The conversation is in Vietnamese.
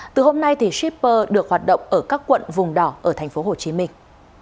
từ hôm nay shipper được hoạt động ở các quận vùng đỏ ở thành phố hồ chí minh